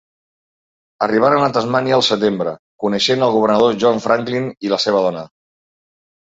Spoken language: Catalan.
Arribaren a Tasmània al setembre, coneixent el governador John Franklin i la seva dona.